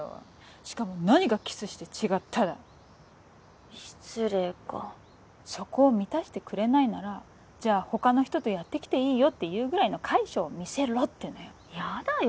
しかも何がキスして違っただ失礼かそこを満たしてくれないならじゃあ他の人とヤッてきていいよっていうぐらいの甲斐性を見せろってのよヤダよ